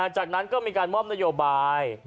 จากนั้นก็มีการมอบนโยบาย